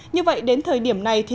như vậy đến thời điểm này